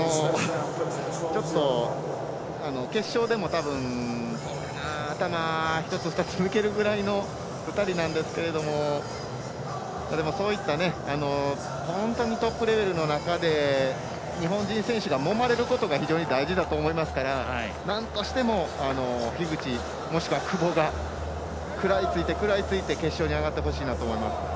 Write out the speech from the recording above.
ちょっと、決勝でも頭１つ、２つ抜けるぐらいの２人なんですけれどもそういった本当にトップレベルの中で日本人選手がもまれることが非常に大事だと思うのでなんとしても樋口、もしくは久保食らいついて決勝に上がってほしいなと思います。